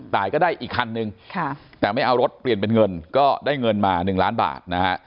ตายก็ได้อีกคันนึงแต่ไม่เอารถเปลี่ยนเป็นเงินก็ได้เงินมา๑ล้านบาทนะฮะ